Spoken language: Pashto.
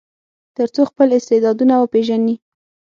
تر څو خپل استعدادونه وپیژني.